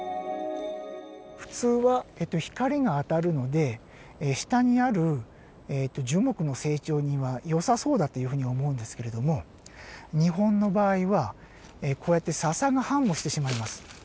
普通は光が当たるので下にある樹木の成長にはよさそうだというふうに思うんですけれども日本の場合はこうやってササが繁茂してしまいます。